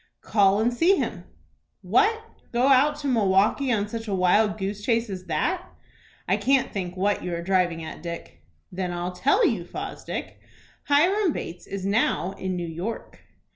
"Call and see him." "What, go out to Milwaukie on such a wild goose chase as that? I can't think what you are driving at, Dick." "Then I'll tell you, Fosdick. Hiram Bates is now in New York."